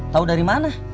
tau dari mana